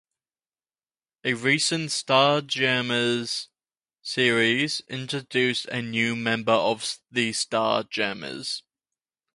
A recent "Starjammers" series introduced a new member of the Starjammers.